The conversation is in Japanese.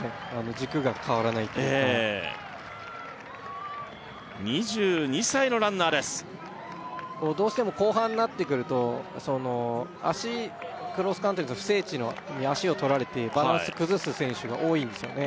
軸が変わらないっていうかええ２２歳のランナーですどうしても後半になってくると足クロスカントリーの不整地に足を取られてバランス崩す選手が多いんですよね